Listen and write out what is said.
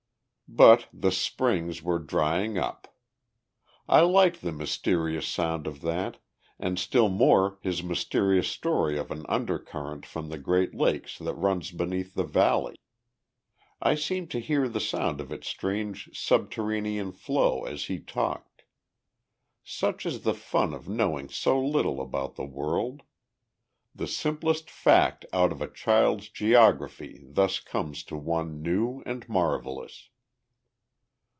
But "the springs were drying up." I liked the mysterious sound of that, and still more his mysterious story of an undercurrent from the Great Lakes that runs beneath the valley. I seemed to hear the sound of its strange subterranean flow as he talked. Such is the fun of knowing so little about the world. The simplest fact out of a child's geography thus comes to one new and marvellous.